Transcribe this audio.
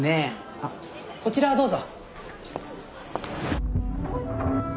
あっこちらどうぞ。